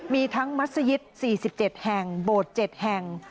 มีทั้งมัศยิต๔๗แห่งโบสถ์๗แห่ง